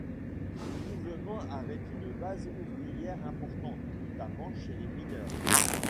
Le mouvement avait une base ouvrière importante, notamment chez les mineurs.